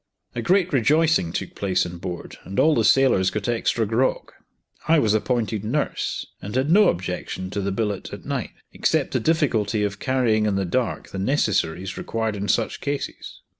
A great rejoicing took place on board, and all the sailors got extra grog. I was appointed nurse, and had no objection to the billet at night, except the difficulty of carrying in the dark the necessaries required in such cases.